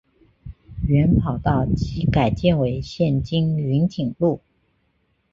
原跑道即改建为现今云锦路。